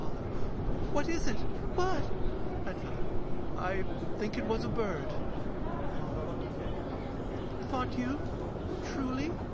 OLIVE. What is it? What? REDFEATHER. I think it was a bird. OLIVE. What thought you, truly?